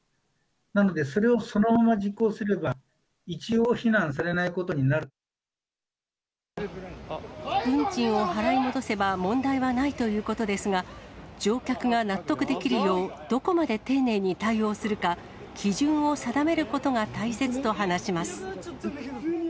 なので、それをそのまま実行すれば、一応、運賃を払い戻せば問題はないということですが、乗客が納得できるよう、どこまで丁寧に対応するか、基準を定めることが大切と話します。